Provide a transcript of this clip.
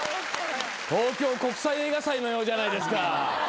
東京国際映画祭のようじゃないですか。